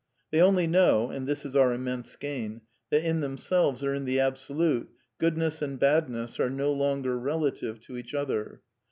They only know (and this is our immense gain) that in themselves, or in the Absolute, Goodness and Badness are no longer relative to each other.